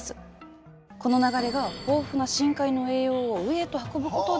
この流れが豊富な深海の栄養を上へと運ぶことで。